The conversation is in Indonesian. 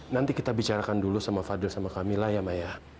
nanti kita bicarakan dulu sama fadil sama kamila ya mbak ya